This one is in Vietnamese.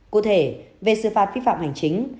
cụ thể về sự phạt vi phạm hành chính